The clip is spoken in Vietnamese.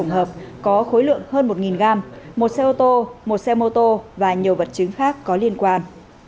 hợp có khối lượng hơn một gram một xe ô tô một xe mô tô và nhiều vật chứng khác có liên quan